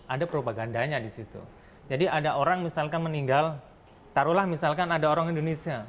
ada propagandanya di situ jadi ada orang misalkan meninggal taruhlah misalkan ada orang indonesia